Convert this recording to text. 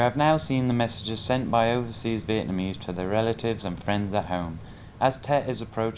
và chúc quý vị một năm mới hạnh phúc